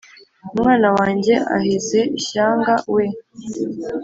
Umwana wanjye aheze Ishyanga we!